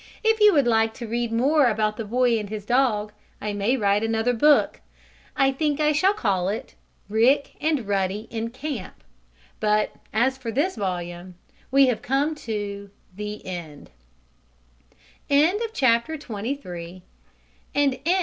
If you would like to read more about the boy and his dog I may write another book. I think I shall call it "Rick and Ruddy in Camp," but, as for this volume, we have come to THE END Transcriber's Note: Irregular hyphenation e.g.